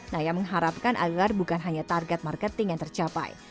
naya mengharapkan agar bukan hanya target marketing yang tercapai